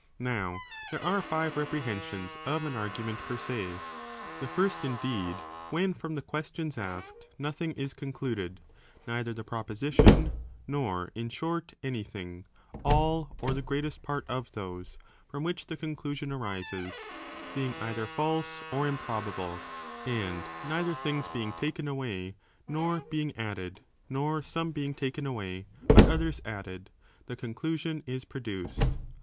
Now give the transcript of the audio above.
Now there are five reprehensions of an argu ment per se, the first indeed, when from the ques f/.¢°Prenen tions asked nothing is concluded, neither the pro pument per se; ein number. position, nor, in short, any thing ;; all or the Vide whately greatest part of those, from which the conclusion end teagan ag (arises), being either false or improbable ; and nei ther things being taken away, nor being added, nor some be ing taken away, but others added, the conclusion is produced.